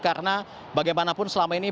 karena bagaimanapun selama ini